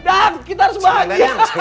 dang kita harus bahagia